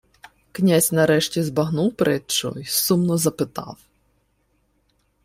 Князь нарешті збагнув притчу й сумно запитав: